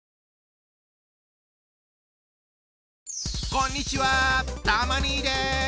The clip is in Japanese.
こんにちはたま兄です。